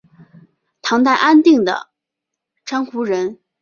唐代安定郡鹑觚人。